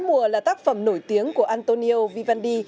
bốn mùa là tác phẩm nổi tiếng của antonio vivendi